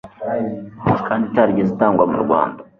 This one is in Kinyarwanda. kandi itarigeze itangwa mu rwanda